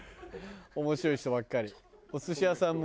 面白い人ばっかり。